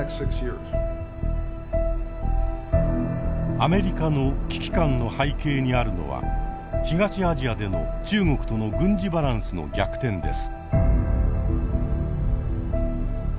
アメリカの危機感の背景にあるのは東アジアでの中国との軍事バランスの逆転です。